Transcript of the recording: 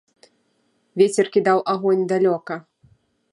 Вецер кідаў агонь далёка.